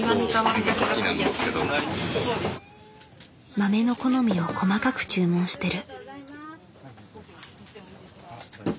豆の好みを細かく注文してる。